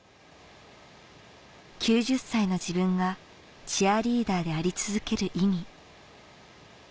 ９０歳の自分がチアリーダーであり続ける意味